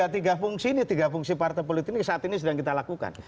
tiga fungsi partai politik ini saat ini sedang kita lakukan